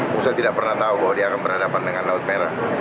pusat tidak pernah tahu bahwa dia akan berhadapan dengan laut merah